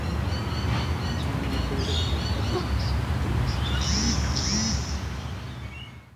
Kimenya mateeka okutandika bizineesi nga tolina satifiketi?